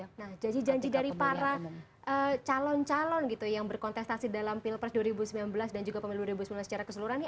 nah janji janji dari para calon calon gitu yang berkontestasi dalam pilpres dua ribu sembilan belas dan juga pemilu dua ribu sembilan belas secara keseluruhan ini